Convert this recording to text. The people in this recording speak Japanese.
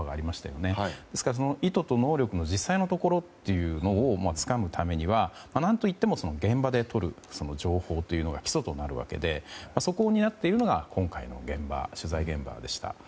ですから、その意図と能力の実際のところをつかむためには何といっても現場でとる情報というのが基礎となるわけでそこを担っているのが今回の取材現場でした。